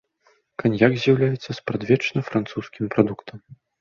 Каньяк з'яўляецца спрадвечна французскім прадуктам.